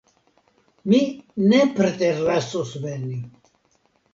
Mi ne preterlasos veni!